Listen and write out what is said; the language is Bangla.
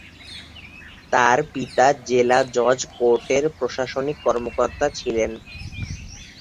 তার পিতা জেলা জজ কোর্টের প্রশাসনিক কর্মকর্তা ছিলেন।